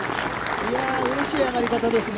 うれしい上がり方ですね。